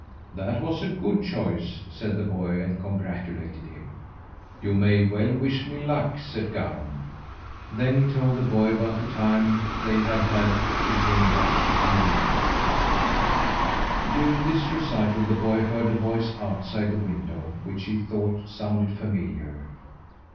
"That was a good choice," said the boy and congratulated him. "You may well wish me luck," said Garm; then he told the boy about the time they had had with Wind Rush and Wind Air. During this recital the boy heard a voice outside the window which he thought sounded familiar.